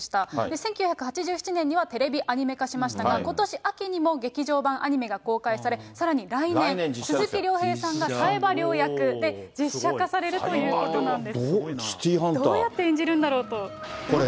１９８７年にはテレビアニメ化しましたが、ことし秋にも劇場版アニメが公開され、さらに来年、鈴木亮平さんが冴羽遼役、実写化されるということなんです。